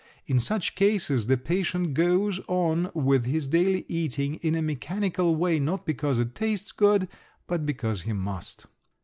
In such cases the patient goes on with his daily eating in a mechanical way, not because it tastes good, but because he must.